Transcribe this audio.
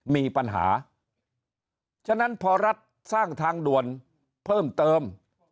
มีปัญหาฉะนั้นพอรัฐสร้างทางด่วนเพิ่มเติม